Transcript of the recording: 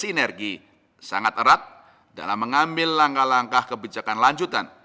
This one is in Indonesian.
dengan sisi bersinergi sangat erat dalam mengambil langkah langkah kebijakan lanjutan